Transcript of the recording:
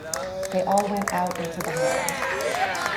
They all went out into the hall.